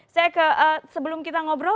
saya ke sebelum kita ngobrol